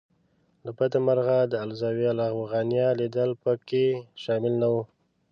له بده مرغه د الزاویة الافغانیه لیدل په کې شامل نه و.